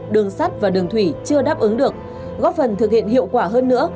đường sắt và đường thủy chưa đáp ứng được góp phần thực hiện hiệu quả hơn nữa